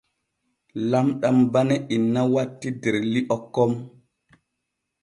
Lamɗam bane inna watti der li’o kon.